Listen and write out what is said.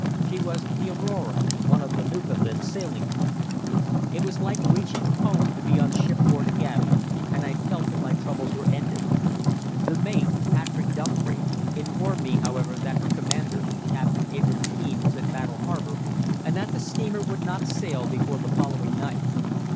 She was the Aurora, one of the Newfoundland sealing fleet. It was like reaching home to be on shipboard again, and I felt that my troubles were ended. The mate, Patrick Dumphry, informed me, however, that her commander, Captain Abraham Kean, was at Battle Harbour, and that the steamer would not sail before the following night.